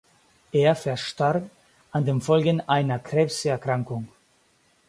Er verstarb an den Folgen einer Krebserkrankung.